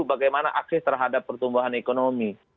bagaimana akses terhadap pertumbuhan ekonomi